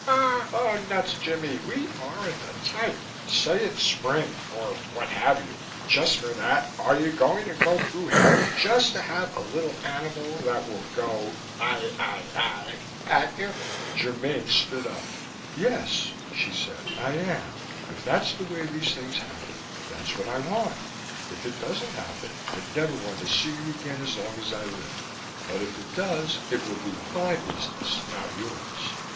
"Oh nuts, Jimmie! We aren't the type. Say it's spring or what have you? Just for that are you going to go through hell just to have a little animal that will go 'Aah Aah Aah' at you?" Germaine stood up. "Yes," she said. "I am. If that's the way these things happen, that's what I want. If it doesn't happen I never want to see you again so long as I live. But if it does, it will be my business, not yours.